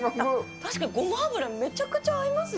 確かにごま油、めちゃくちゃ合いますね。